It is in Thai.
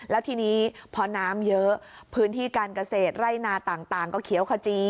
แล้วทีนี้พอน้ำเยอะพื้นที่การเกษตรไร่นาต่างก็เขียวขจี